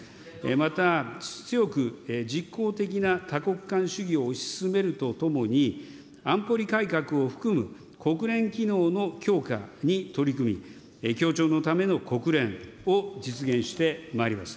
また強く実効的な多国間主義を推し進めるとともに、安保理改革を含む、国連機能の強化に取り組み、協調のための国連を実現してまいります。